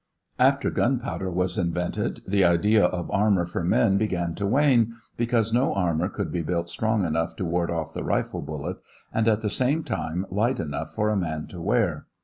After gunpowder was invented, the idea of armor for men began to wane, because no armor could be built strong enough to ward off the rifle bullet and at the same time light enough for a man to wear.